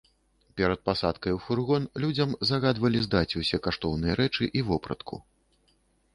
Перад пасадкай у фургон, людзям загадвалі здаць усе каштоўныя рэчы і вопратку.